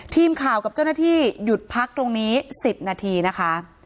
กับเจ้าหน้าที่หยุดพักตรงนี้๑๐นาทีนะคะ